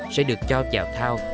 sẽ được cho chào thao